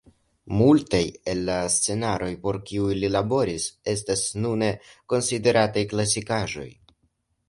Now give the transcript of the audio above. Multaj el la scenaroj por kiuj li laboris estas nune konsiderataj klasikaĵoj.